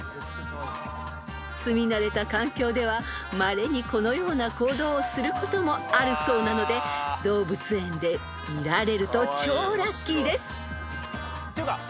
［すみ慣れた環境ではまれにこのような行動をすることもあるそうなので動物園で見られると超ラッキーです］